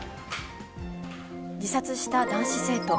自殺した男子生徒。